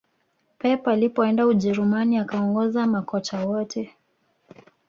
pep alipoenda ujerumani akaongoza makocha wote